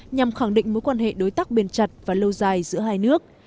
nhằm khẳng định mối quan hệ đối tác bền chặt và lâu dài giữa hai nước